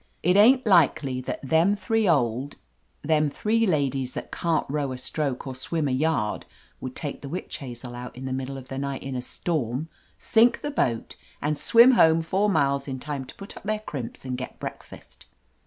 It ain't likely that them three old — them three ladies that can't row a stroke or swim a yard would take the Witch Ha^el out in the middle of the night in a storm, sink the boat, and swim home four miles in time to put up their crimps and get breakfast.'